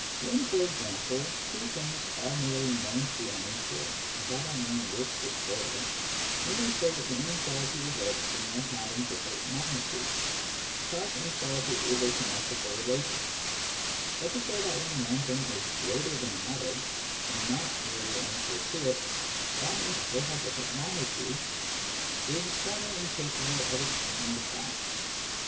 When, for example, two things are merely known to be unequal, without our knowing which is greater, we may say that the inequality results from their having different magnitudes, because inequality is a symmetrical relation ; but to say that when one thing is greater than another, and not merely unequal to it, that means that they have different magnitudes, is formally incapable of explaining the facts.